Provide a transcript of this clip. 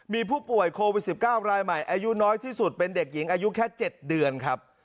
มีผู้ป่วยโควิด๑๙รายใหม่อายุน้อยที่สุดเป็นเด็กหญิงอายุแค่๗เดือนครับ